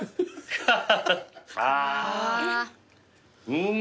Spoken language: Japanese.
うま！